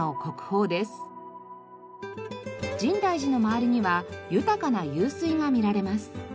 深大寺の周りには豊かな湧水が見られます。